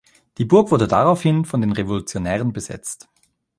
Die Burg wurde daraufhin von den Revolutionären besetzt.